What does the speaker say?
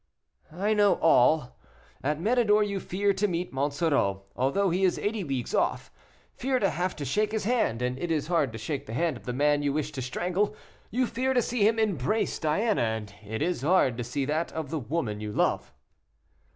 "I know all. At Méridor you fear to meet Monsoreau, although he is eighty leagues off; fear to have to shake his hand, and it is hard to shake the hand of the man you wish to strangle; you fear to see him embrace Diana, and it is hard to see that of the woman you love."